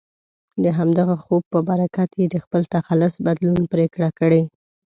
د همدغه خوب په برکت یې د خپل تخلص بدلون پرېکړه کړې.